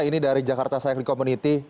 ini dari jakarta cycling community